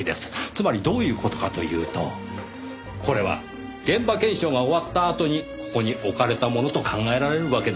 つまりどういう事かというとこれは現場検証が終わったあとにここに置かれたものと考えられるわけですよ。